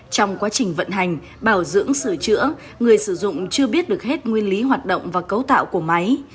trong quá trình vận hành bảo dưỡng sửa chữa người sử dụng chưa biết được hết nguyên lý hoạt động và cấu tạo của máy